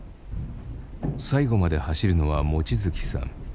最後まで走るのは望月さん。